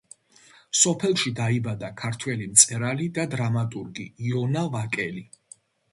სოფელში დაიბადა ქართველი მწერალი და დრამატურგი იონა ვაკელი.